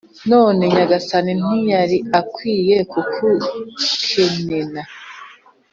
none nyagasani ntiyari akwiye kugukenana.